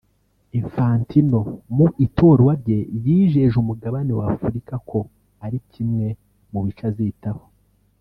Infantino mu itorwa rye yijeje umugabane wa Afurika ko ari kimwe mu bice azitaho